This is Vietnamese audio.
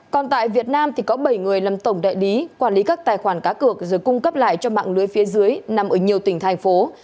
còn tại việt nam thì có bảy người làm tổng đại lý quản lý các tài khoản cá cược rồi cung cấp lại cho mạng lưới phía dưới nằm ở nhiều tỉnh thành phố